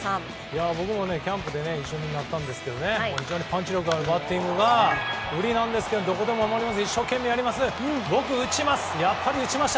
僕もキャンプで一緒になったんですが非常にパンチ力のあるバッティングが売りですが一生懸命やります！